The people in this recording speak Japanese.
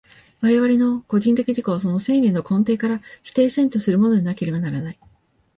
我々の個人的自己をその生命の根底から否定せんとするものでなければならない。